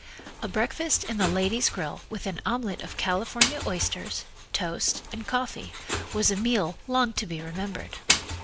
A breakfast in the Ladies' Grill, with an omelet of California oysters, toast and coffee, was a meal long to be remembered.